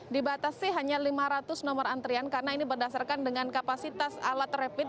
dibatasi hanya lima ratus nomor antrian karena ini berdasarkan dengan kapasitas alat rapid